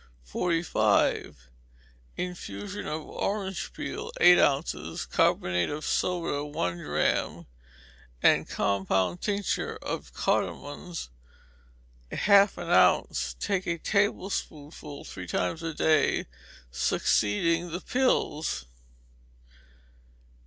45. Infusion of orange peel, eight ounces; carbonate of soda, one drachm; and compound tincture of cardamoms, half an ounce: take a tablespoonful three times a day, succeeding the pills.